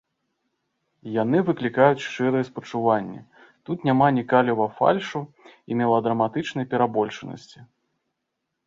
Яны выклікаюць шчырыя спачуванні, тут няма ні каліва фальшу і меладраматычнай перабольшанасці.